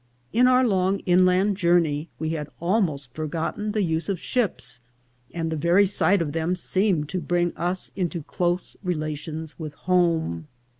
In our long inland journey we had almost forgotten the use of ships, and the very sight of them seemed to bring us into close relations with home.